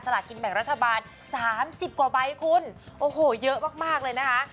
สละกินแบบรัฐบาลสามสิบกว่าใบคุณโอ้โหเยอะมากเลยนะคะ